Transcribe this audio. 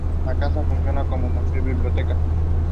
Yet it is also an expression of his fear of death and decline.